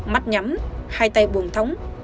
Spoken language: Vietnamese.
mắt nhắm hai tay buồng thóng